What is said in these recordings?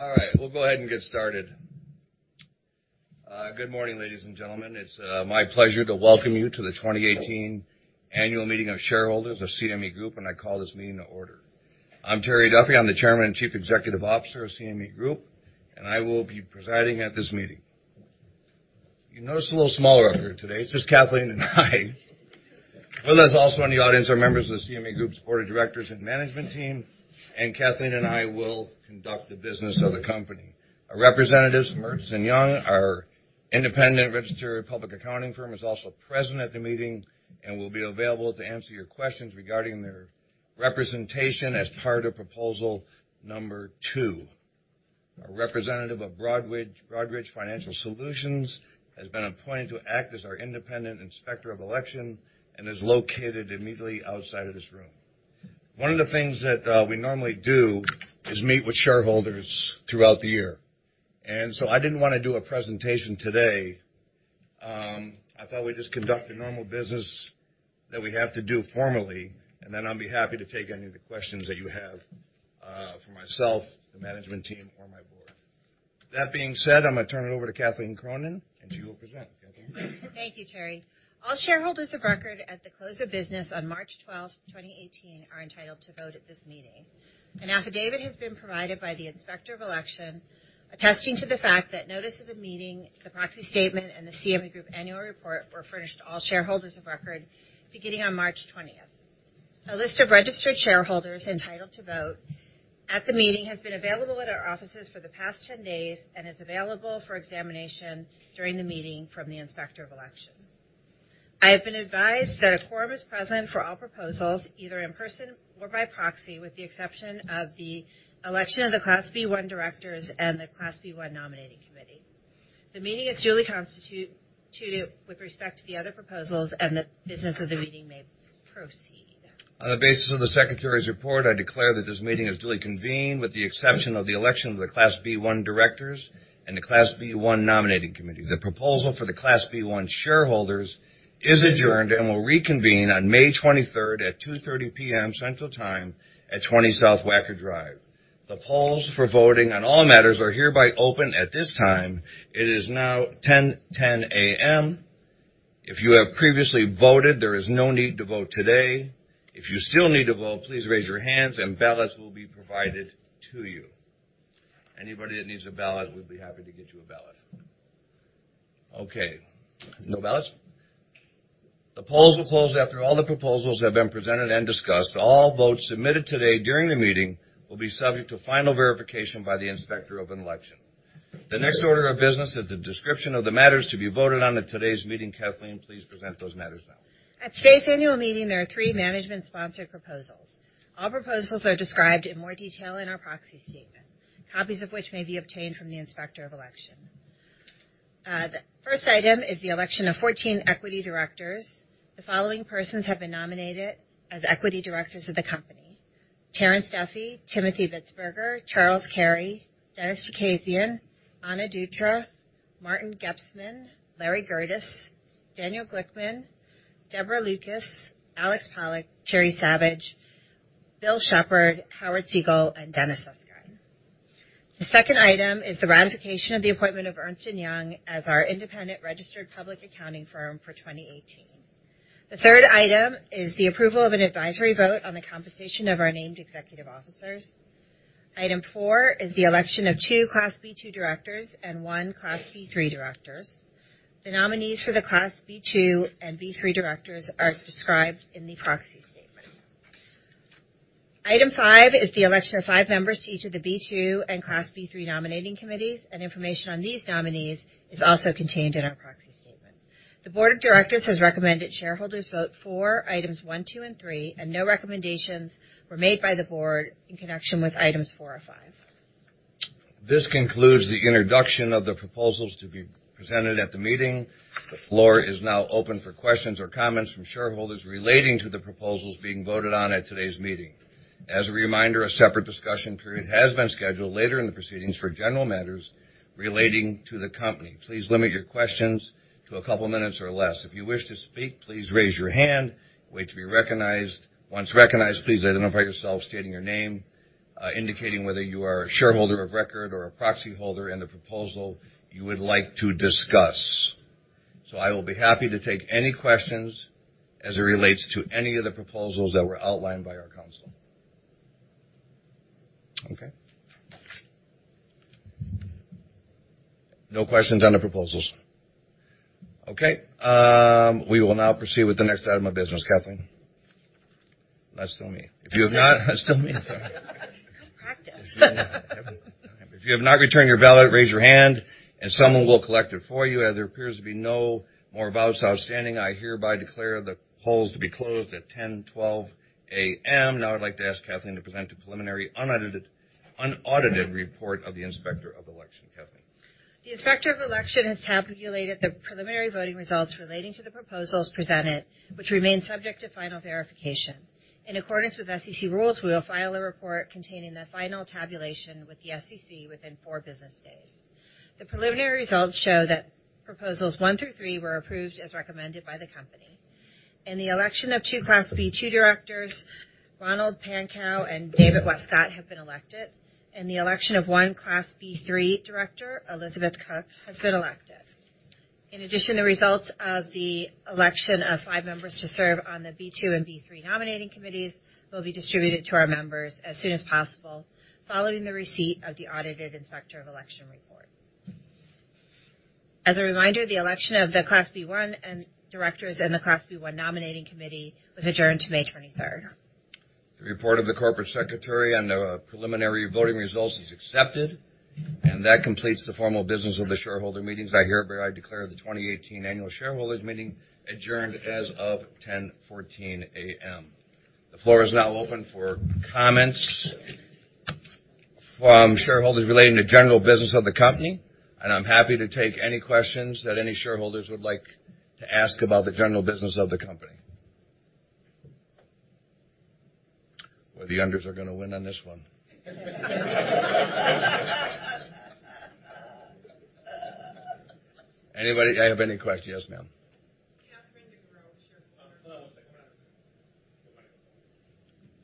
All right, we'll go ahead and get started. Good morning, ladies and gentlemen. It's my pleasure to welcome you to the 2018 Annual Meeting of Shareholders of CME Group, and I call this meeting to order. I'm Terry Duffy. I'm the Chairman and Chief Executive Officer of CME Group, and I will be presiding at this meeting. You notice it's a little smaller up here today. It's just Kathleen and I. With us also in the audience are members of the CME Group's Board of Directors and Management Team, and Kathleen and I will conduct the business of the company. Our representatives from Ernst & Young, our independent registered public accounting firm, is also present at the meeting and will be available to answer your questions regarding their representation as part of Proposal Number 2. Our representative of Broadridge Financial Solutions has been appointed to act as our independent Inspector of Election and is located immediately outside of this room. One of the things that we normally do is meet with shareholders throughout the year, so I didn't want to do a presentation today. I thought we'd just conduct a normal business that we have to do formally, then I'll be happy to take any of the questions that you have for myself, the management team, or my board. That being said, I'm going to turn it over to Kathleen Cronin, and she will present. Kathleen. Thank you, Terry. All shareholders of record at the close of business on March 12th, 2018, are entitled to vote at this meeting. An affidavit has been provided by the Inspector of Election attesting to the fact that notice of the meeting, the proxy statement, and the CME Group annual report were furnished to all shareholders of record beginning on March 20th. A list of registered shareholders entitled to vote at the meeting has been available at our offices for the past 10 days and is available for examination during the meeting from the Inspector of Election. I have been advised that a quorum is present for all proposals, either in person or by proxy, with the exception of the election of the Class B-1 directors and the Class B-1 Nominating Committee. The meeting is duly constituted with respect to the other proposals and the business of the meeting may proceed. On the basis of the Secretary's report, I declare that this meeting is duly convened with the exception of the election of the Class B-1 directors and the Class B-1 Nominating Committee. The proposal for the Class B-1 shareholders is adjourned and will reconvene on May 23rd at 2:30 P.M. Central Time at 20 South Wacker Drive. The polls for voting on all matters are hereby open at this time. It is now 10:10 A.M. If you have previously voted, there is no need to vote today. If you still need to vote, please raise your hands and ballots will be provided to you. Anybody that needs a ballot, we'd be happy to get you a ballot. Okay, no ballots? The polls will close after all the proposals have been presented and discussed. All votes submitted today during the meeting will be subject to final verification by the Inspector of Election. The next order of business is the description of the matters to be voted on at today's meeting. Kathleen, please present those matters now. At today's annual meeting, there are three management-sponsored proposals. All proposals are described in more detail in our proxy statement, copies of which may be obtained from the Inspector of Election. The first item is the election of 14 equity directors. The following persons have been nominated as equity directors of the company: Terrence Duffy, Timothy Bitsberger, Charles Carey, Dennis Chookaszian, Ana Dutra, Martin Gepsman, Larry Gerdes, Daniel Glickman, Deborah Lucas, Alex Pollock, Terry Savage, Bill Shepard, Howard Siegel, and Dennis Suskind. The second item is the ratification of the appointment of Ernst & Young as our independent registered public accounting firm for 2018. The third item is the approval of an advisory vote on the compensation of our named executive officers. Item 4 is the election of 2 Class B-2 directors and 1 Class B-3 director. The nominees for the Class B-2 and B-3 directors are described in the proxy statement. Item 5 is the election of five members to each of the B-2 and Class B-3 Nominating Committees, and information on these nominees is also contained in our proxy statement. The Board of Directors has recommended shareholders vote for items 1, 2, and 3, and no recommendations were made by the board in connection with items 4 or 5. This concludes the introduction of the proposals to be presented at the meeting. The floor is now open for questions or comments from shareholders relating to the proposals being voted on at today's meeting. As a reminder, a separate discussion period has been scheduled later in the proceedings for general matters relating to the company. Please limit your questions to a couple of minutes or less. If you wish to speak, please raise your hand. Wait to be recognized. Once recognized, please identify yourself, stating your name, indicating whether you are a shareholder of record or a proxy holder, and the proposal you would like to discuss. I will be happy to take any questions as it relates to any of the proposals that were outlined by our counsel. Okay. No questions on the proposals? Okay. We will now proceed with the next item of business. Kathleen. That's still me. That's it. That's still me. Sorry. You're so practiced. If you have not returned your ballot, raise your hand and someone will collect it for you. As there appears to be no more ballots outstanding, I hereby declare the polls to be closed at 10:12 A.M. I'd like to ask Kathleen to present the preliminary unaudited report of the Inspector of Election. Kathleen. The Inspector of Election has tabulated the preliminary voting results relating to the proposals presented, which remain subject to final verification. In accordance with SEC rules, we will file a report containing the final tabulation with the SEC within four business days. The preliminary results show that proposals one through three were approved as recommended by the company. In the election of two Class B-2 directors, Ronald Pankau and David Wescott have been elected. In the election of one Class B-3 director, Elizabeth Cook has been elected. In addition, the results of the election of five members to serve on the B-2 and B-3 nominating committees will be distributed to our members as soon as possible, following the receipt of the audited Inspector of Election report. As a reminder, the election of the Class B-1 directors and the Class B-1 nominating committee was adjourned to May 23rd. The report of the corporate secretary on the preliminary voting results is accepted. That completes the formal business of the shareholder meetings. I hereby declare the 2018 annual shareholders meeting adjourned as of 10:14 A.M. The floor is now open for comments from shareholders relating to general business of the company. I'm happy to take any questions that any shareholders would like to ask about the general business of the company. The unders are going to win on this one. Anybody have any Yes, ma'am. Katherine DeGroat, shareholder. Hold on one second. One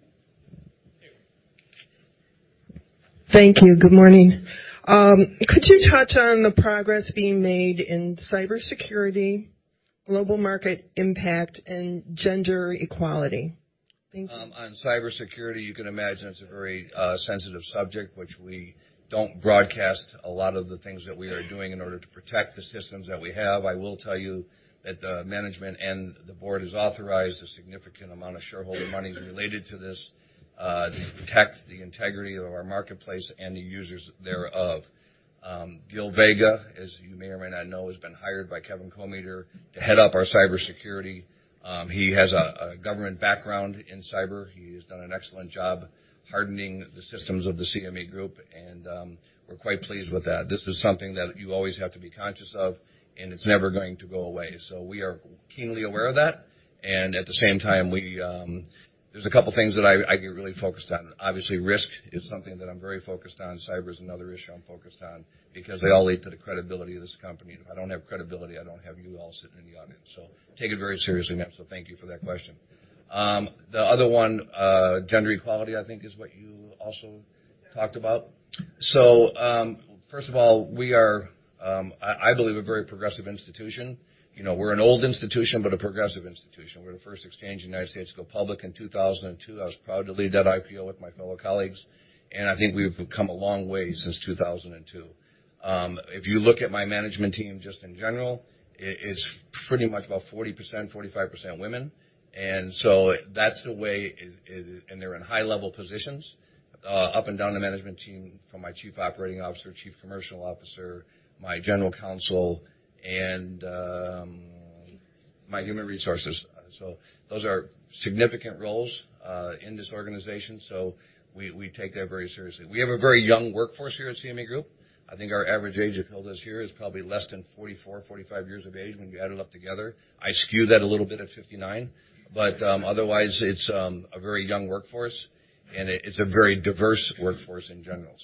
minute. There you go. Thank you. Good morning. Could you touch on the progress being made in cybersecurity, global market impact, and gender equality? Thank you. On cybersecurity, you can imagine it's a very sensitive subject, which we don't broadcast a lot of the things that we are doing in order to protect the systems that we have. I will tell you that the management and the board has authorized a significant amount of shareholder monies related to this, to protect the integrity of our marketplace and the users thereof. Gil Vega, as you may or may not know, has been hired by Kevin Kometer to head up our cybersecurity. He has a government background in cyber. He has done an excellent job hardening the systems of the CME Group, and we're quite pleased with that. This is something that you always have to be conscious of, and it's never going to go away. We are keenly aware of that, and at the same time, there's a couple things that I get really focused on. Obviously, risk is something that I'm very focused on. Cyber is another issue I'm focused on because they all lead to the credibility of this company. If I don't have credibility, I don't have you all sitting in the audience. Take it very seriously, ma'am. Thank you for that question. The other one, gender equality, I think is what you also talked about. First of all, we are, I believe, a very progressive institution. We're an old institution, but a progressive institution. We're the first exchange in the U.S. to go public in 2002. I was proud to lead that IPO with my fellow colleagues. I think we've come a long way since 2002. If you look at my management team, just in general, it is pretty much about 40%-45% women. They're in high-level positions, up and down the management team, from my chief operating officer, chief commercial officer, my general counsel. Human resources. My human resources. Those are significant roles in this organization. We take that very seriously. We have a very young workforce here at CME Group. I think our average age until this year is probably less than 44-45 years of age when you add it up together. I skew that a little bit at 59. Otherwise, it's a very young workforce, and it's a very diverse workforce in general.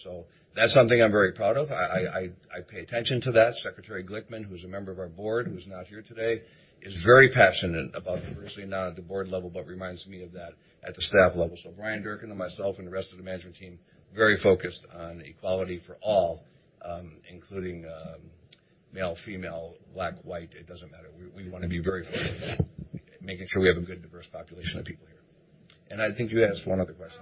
That's something I'm very proud of. I pay attention to that. Secretary Glickman, who's a member of our board, who's not here today, is very passionate about diversity, not at the board level, but reminds me of that at the staff level. Bryan Durkin and myself and the rest of the management team, very focused on equality for all, including male, female, Black, white, it doesn't matter. We want to be very focused on making sure we have a good diverse population of people here. I think you asked one other question.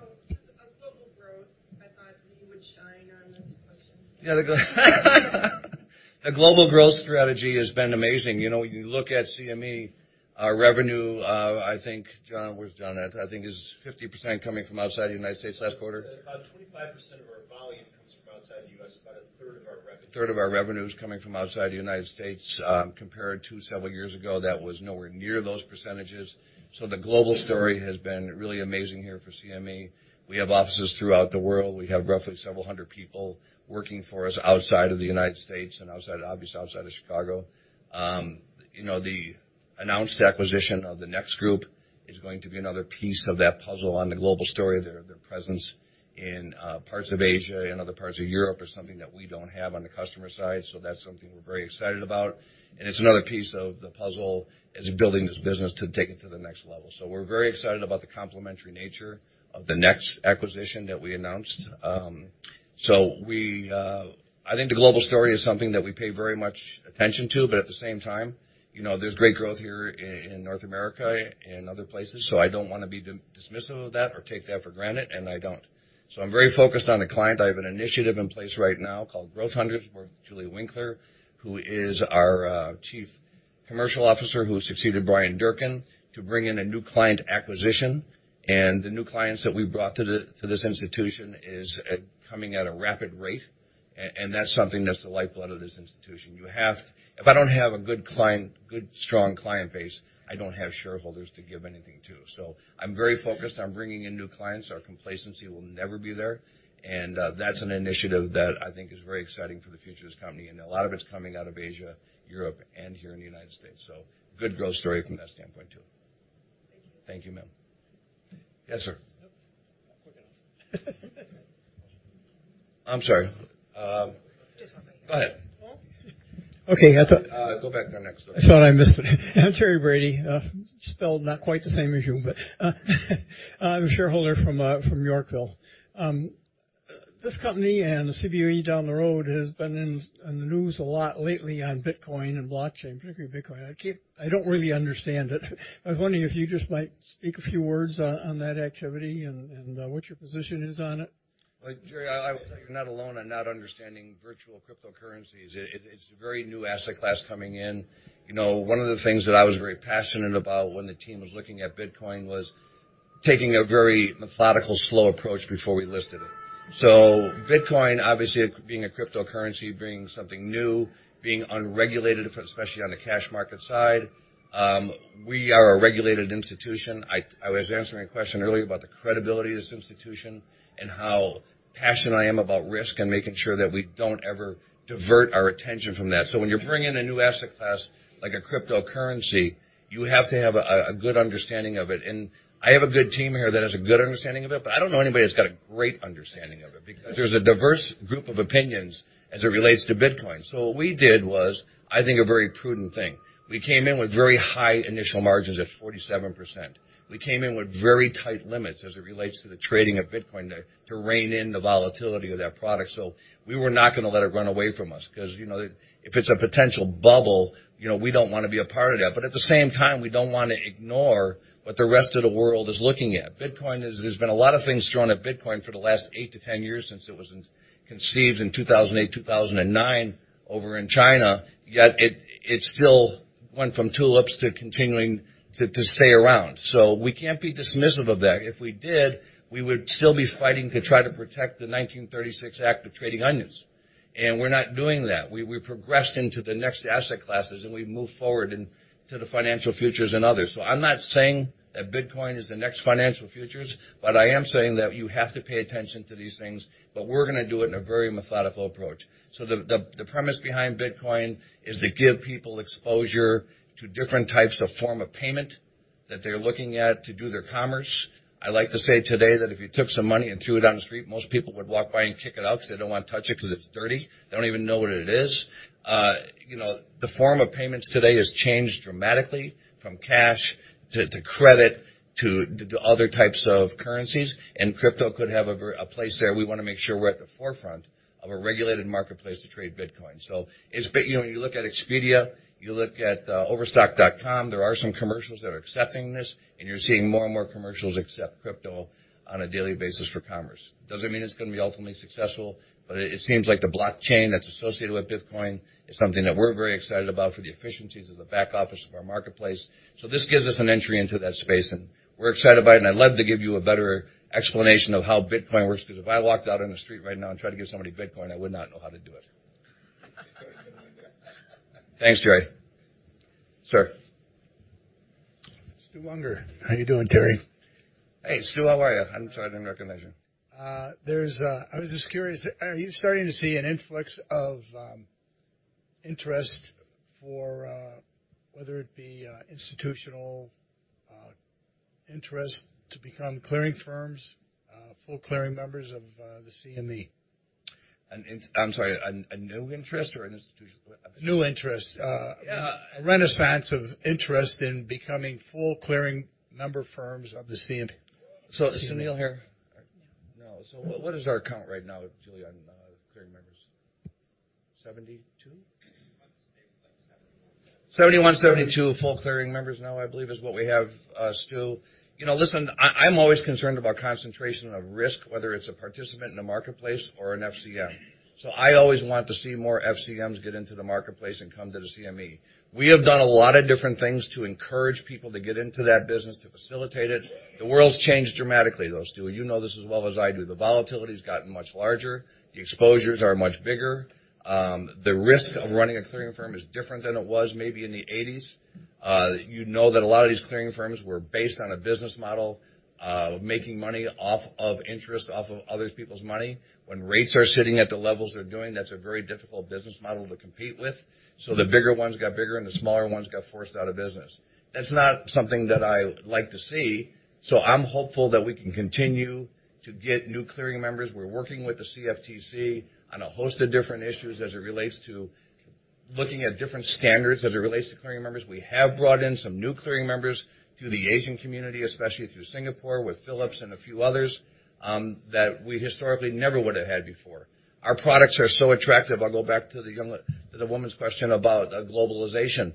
On global growth. I thought you were shying on this question. The global growth strategy has been amazing. When you look at CME, our revenue, I think, John, where's John at? I think is 50% coming from outside the United States last quarter. About 25% of our volume comes from outside the U.S., about a third of our revenue. Third of our revenue is coming from outside the U.S., compared to several years ago, that was nowhere near those percentages. The global story has been really amazing here for CME. We have offices throughout the world. We have roughly several hundred people working for us outside of the U.S. and obviously outside of Chicago. The announced acquisition of the NEX Group is going to be another piece of that puzzle on the global story. Their presence in parts of Asia and other parts of Europe is something that we don't have on the customer side. That's something we're very excited about, and it's another piece of the puzzle as building this business to take it to the next level. We're very excited about the complementary nature of the NEX acquisition that we announced. I think the global story is something that we pay very much attention to, but at the same time, there's great growth here in North America and other places. I don't want to be dismissive of that or take that for granted, and I don't. I'm very focused on the client. I have an initiative in place right now called Growth Hunters. We have Julie Winkler, who is our Chief Commercial Officer, who succeeded Bryan Durkin to bring in a new client acquisition. The new clients that we brought to this institution is coming at a rapid rate. That's something that's the lifeblood of this institution. If I don't have a good, strong client base, I don't have shareholders to give anything to. I'm very focused on bringing in new clients. Our complacency will never be there, that's an initiative that I think is very exciting for the future of this company. A lot of it's coming out of Asia, Europe, and here in the U.S. Good growth story from that standpoint, too. Thank you. Thank you, ma'am. Yes, sir. I'm sorry. Just one minute. Go ahead. Oh, okay. Go back to the next one. I thought I missed it. I'm Terry Brady, spelled not quite the same as you, but I'm a shareholder from Yorkville. This company and the Cboe down the road has been in the news a lot lately on Bitcoin and blockchain, particularly Bitcoin. I don't really understand it. I was wondering if you just might speak a few words on that activity and what your position is on it. Terry, I will tell you're not alone on not understanding virtual cryptocurrencies. It's a very new asset class coming in. One of the things that I was very passionate about when the team was looking at Bitcoin was taking a very methodical, slow approach before we listed it. Bitcoin, obviously, being a cryptocurrency, brings something new, being unregulated, especially on the cash market side. We are a regulated institution. I was answering a question earlier about the credibility of this institution and how passionate I am about risk and making sure that we don't ever divert our attention from that. When you bring in a new asset class like a cryptocurrency, you have to have a good understanding of it. I have a good team here that has a good understanding of it, but I don't know anybody that's got a great understanding of it, because there's a diverse group of opinions as it relates to Bitcoin. What we did was, I think, a very prudent thing. We came in with very high initial margins of 47%. We came in with very tight limits as it relates to the trading of Bitcoin to rein in the volatility of that product. We were not going to let it run away from us because, if it's a potential bubble, we don't want to be a part of that. At the same time, we don't want to ignore what the rest of the world is looking at. There's been a lot of things thrown at Bitcoin for the last 8 to 10 years since it was conceived in 2008, 2009 over in China, yet it still went from tulips to continuing to stay around. We can't be dismissive of that. If we did, we would still be fighting to try to protect the 1936 Act of trading onions, and we're not doing that. We progressed into the next asset classes, and we've moved forward to the financial futures and others. I'm not saying that Bitcoin is the next financial futures, but I am saying that you have to pay attention to these things, but we're going to do it in a very methodical approach. The premise behind Bitcoin is to give people exposure to different types of form of payment that they're looking at to do their commerce. I like to say today that if you took some money and threw it on the street, most people would walk by and kick it out because they don't want to touch it because it's dirty. They don't even know what it is. The form of payments today has changed dramatically from cash to credit to other types of currencies, and crypto could have a place there. We want to make sure we're at the forefront of a regulated marketplace to trade Bitcoin. When you look at Expedia, you look at Overstock.com, there are some commercials that are accepting this, and you're seeing more and more commercials accept crypto on a daily basis for commerce. Doesn't mean it's going to be ultimately successful, but it seems like the blockchain that's associated with Bitcoin is something that we're very excited about for the efficiencies of the back office of our marketplace. This gives us an entry into that space, and we're excited about it, and I'd love to give you a better explanation of how Bitcoin works, because if I walked out on the street right now and tried to give somebody Bitcoin, I would not know how to do it. Thanks, Terry. Sir. Stuart Unger. How you doing, Terry? Hey, Stu, how are you? I'm sorry, I didn't recognize you. I was just curious, are you starting to see an influx of interest for whether it be institutional interest to become clearing firms, full clearing members of the CME? I'm sorry, a new interest or an institutional? New interest. Yeah. A renaissance of interest in becoming full clearing member firms of the CME. Is Neil here? No. No. What is our count right now, Julia, on clearing members? 72? I'd say, like, 71. 71, 72 full clearing members now, I believe is what we have, Stu Unger. Listen, I'm always concerned about concentration of risk, whether it's a participant in a marketplace or an FCM. I always want to see more FCMs get into the marketplace and come to the CME. We have done a lot of different things to encourage people to get into that business, to facilitate it. The world's changed dramatically, though, Stu Unger. You know this as well as I do. The volatility's gotten much larger. The exposures are much bigger. The risk of running a clearing firm is different than it was maybe in the '80s. You know that a lot of these clearing firms were based on a business model, making money off of interest off of other people's money. When rates are sitting at the levels they're doing, that's a very difficult business model to compete with. The bigger ones got bigger, and the smaller ones got forced out of business. That's not something that I like to see. I'm hopeful that we can continue to get new clearing members. We're working with the CFTC on a host of different issues as it relates to looking at different standards as it relates to clearing members. We have brought in some new clearing members through the Asian community, especially through Singapore with Phillip Capital and a few others, that we historically never would have had before. Our products are so attractive. I'll go back to the woman's question about globalization.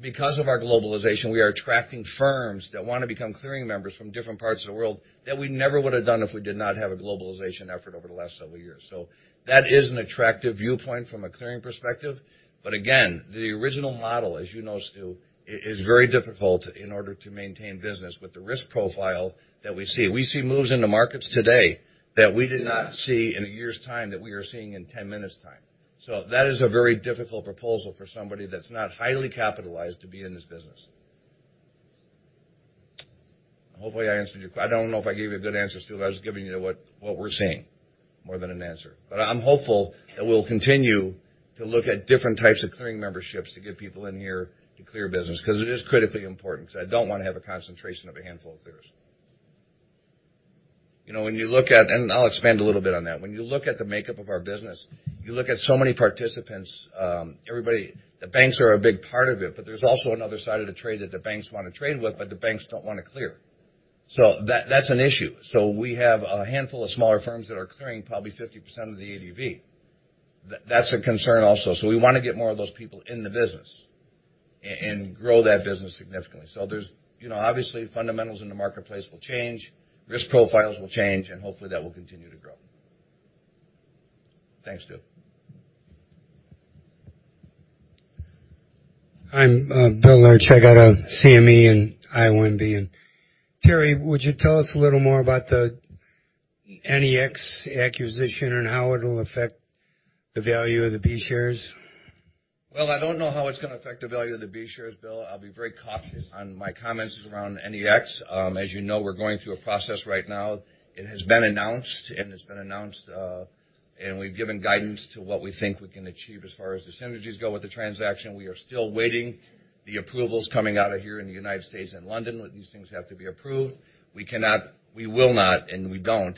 Because of our globalization, we are attracting firms that want to become clearing members from different parts of the world that we never would have done if we did not have a globalization effort over the last several years. That is an attractive viewpoint from a clearing perspective. Again, the original model, as you know, Stu Unger, is very difficult in order to maintain business with the risk profile that we see. We see moves in the markets today that we did not see in a year's time that we are seeing in 10 minutes' time. That is a very difficult proposal for somebody that's not highly capitalized to be in this business. Hopefully, I answered. I don't know if I gave you a good answer, Stu Unger, but I was giving you what we're seeing. More than an answer. I'm hopeful that we'll continue to look at different types of clearing memberships to get people in here to clear business, because it is critically important, because I don't want to have a concentration of a handful of clearers. When you look at, I'll expand a little bit on that. When you look at the makeup of our business, you look at so many participants, everybody. The banks are a big part of it, there's also another side of the trade that the banks want to trade with, but the banks don't want to clear. That's an issue. We have a handful of smaller firms that are clearing probably 50% of the ADV. That's a concern also. We want to get more of those people in the business and grow that business significantly. Obviously, fundamentals in the marketplace will change, risk profiles will change, hopefully that will continue to grow. Thanks, Stu. I'm Bill Larchak out of CME and IOM. Terry, would you tell us a little more about the NEX acquisition and how it'll affect the value of the B shares? Well, I don't know how it's going to affect the value of the B shares, Bill. I'll be very cautious on my comments around NEX. As you know, we're going through a process right now. It has been announced, and it's been announced, and we've given guidance to what we think we can achieve as far as the synergies go with the transaction. We are still waiting the approvals coming out of here in the United States and London. These things have to be approved. We will not gun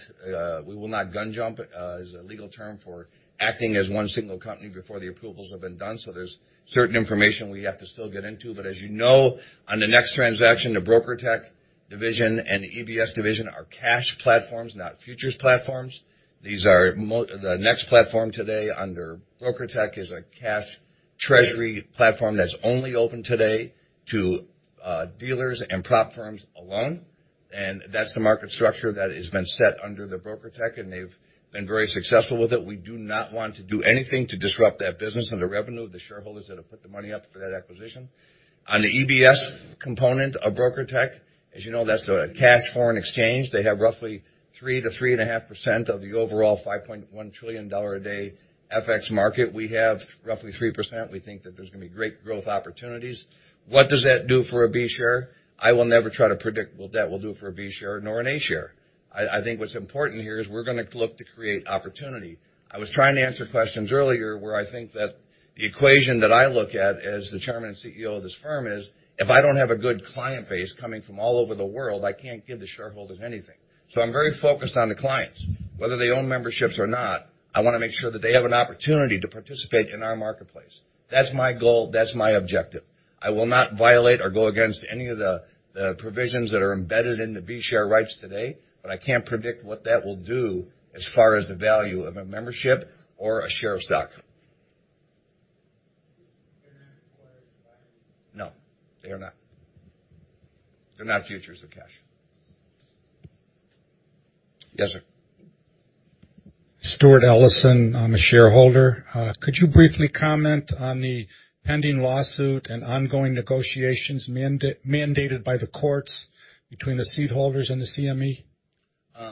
jump, is a legal term for acting as one single company before the approvals have been done. There's certain information we have to still get into, but as you know, on the NEX transaction, the BrokerTec division and the EBS division are cash platforms, not futures platforms. The NEX platform today under BrokerTec is a cash treasury platform that's only open today to dealers and prop firms alone, that's the market structure that has been set under the BrokerTec, and they've been very successful with it. We do not want to do anything to disrupt that business and the revenue of the shareholders that have put the money up for that acquisition. On the EBS component of BrokerTec, as you know, that's a cash foreign exchange. They have roughly 3%-3.5% of the overall $5.1 trillion a day FX market. We have roughly 3%. We think that there's going to be great growth opportunities. What does that do for a B share? I will never try to predict what that will do for a B share nor an A share. I think what's important here is we're going to look to create opportunity. I was trying to answer questions earlier where I think that the equation that I look at as the Chairman and CEO of this firm is, if I don't have a good client base coming from all over the world, I can't give the shareholders anything. I'm very focused on the clients. Whether they own memberships or not, I want to make sure that they have an opportunity to participate in our marketplace. That's my goal, that's my objective. I will not violate or go against any of the provisions that are embedded in the B share rights today, I can't predict what that will do as far as the value of a membership or a share of stock. They're not No, they are not. They're not futures, they're cash. Yes, sir. Stuart Ellison, I'm a shareholder. Could you briefly comment on the pending lawsuit and ongoing negotiations mandated by the courts between the seed holders and the CME?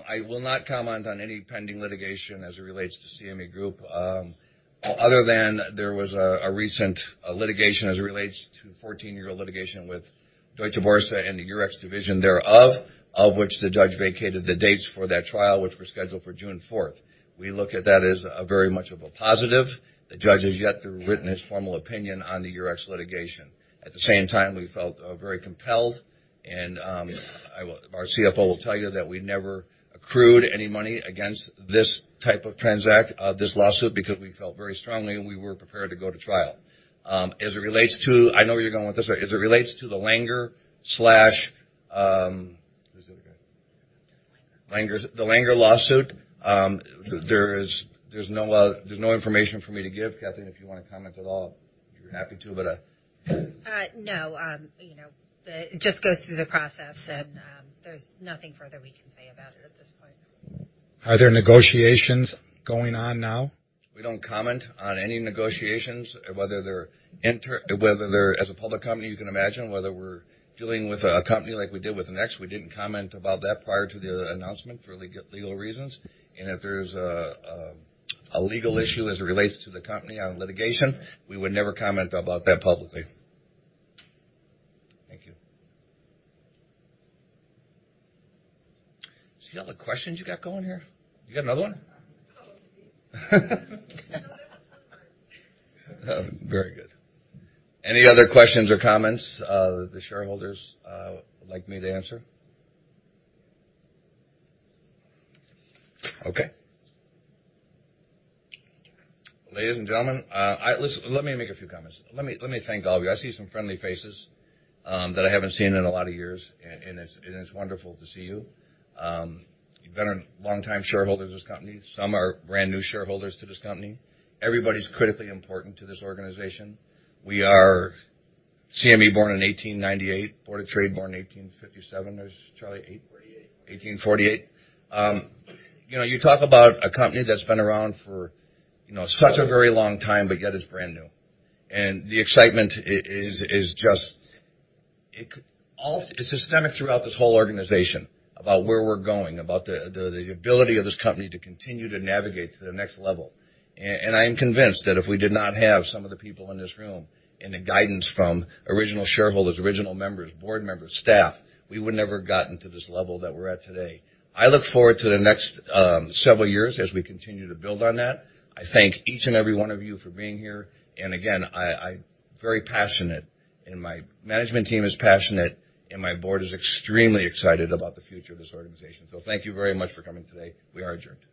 I will not comment on any pending litigation as it relates to CME Group, other than there was a recent litigation as it relates to the 14-year litigation with Deutsche Börse and the Eurex division thereof, of which the judge vacated the dates for that trial, which were scheduled for June 4th. We look at that as a very much of a positive. The judge has yet to written his formal opinion on the Eurex litigation. At the same time, we felt very compelled and our CFO will tell you that we never accrued any money against this lawsuit because we felt very strongly, and we were prepared to go to trial. I know where you're going with this. As it relates to the Langer lawsuit, there's no information for me to give. Kathleen, if you want to comment at all, if you're happy to, but I No. It just goes through the process, and there's nothing further we can say about it at this point. Are there negotiations going on now? We don't comment on any negotiations, as a public company, you can imagine, whether we're dealing with a company like we did with NEX, we didn't comment about that prior to the announcement for legal reasons. If there's a legal issue as it relates to the company on litigation, we would never comment about that publicly. Thank you. See all the questions you got going here? You got another one? Probably. Very good. Any other questions or comments the shareholders would like me to answer? Okay. Ladies and gentlemen, let me make a few comments. Let me thank all of you. I see some friendly faces that I haven't seen in a lot of years, and it's wonderful to see you. You've been a longtime shareholder of this company. Some are brand-new shareholders to this company. Everybody's critically important to this organization. We are CME, born in 1898, Board of Trade, born in 1857. There's Charlie. 1848. 1848. You talk about a company that's been around for such a very long time but yet is brand new. The excitement is systemic throughout this whole organization about where we're going, about the ability of this company to continue to navigate to the next level. I am convinced that if we did not have some of the people in this room and the guidance from original shareholders, original members, board members, staff, we would never have gotten to this level that we're at today. I look forward to the next several years as we continue to build on that. I thank each and every one of you for being here. Again, I'm very passionate, and my management team is passionate, and my board is extremely excited about the future of this organization. Thank you very much for coming today. We are adjourned.